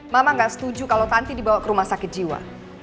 mama nggak setuju kalau tanti dibawa ke rumah sakit jiwa